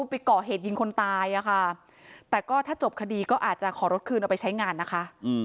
ไปก่อเหตุยิงคนตายอะค่ะแต่ก็ถ้าจบคดีก็อาจจะขอรถคืนเอาไปใช้งานนะคะ